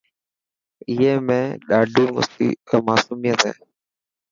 اي ۾ ڏاڏي ماصوميت هي.